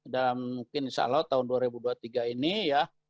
dan mungkin insya allah tahun dua ribu dua puluh tiga ini ya